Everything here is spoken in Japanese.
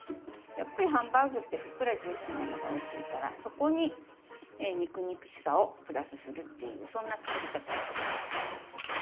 やっぱりハンバーグってふっくらジューシーなのがおいしいからそこに肉肉しさをプラスするっていうそんな作り方にしました。